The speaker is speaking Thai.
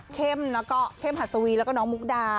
แล้วก็เข้มหัสวีแล้วก็น้องมุกดา